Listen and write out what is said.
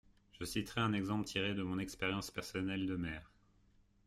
Je citerai un exemple tiré de mon expérience personnelle de maire.